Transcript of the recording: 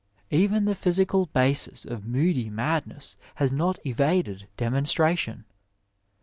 Even the physical basis of moody madness has not evaded demonstration.